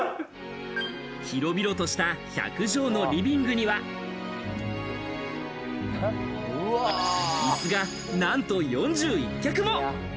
広々とした１００畳のリビングにはいすがなんと４１脚も。